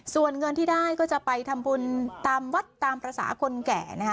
ส่วนเงินที่ได้ก็จะไปทำบุญตามวัดตามภาษาคนแก่นะคะ